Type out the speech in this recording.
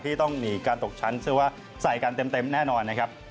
ที่ต้องหนีการตกชั้นเชื่อว่าใส่กันเต็มแน่นอนนะครับ